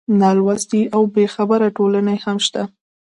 نالوستې او بېخبره ټولنې هم شته.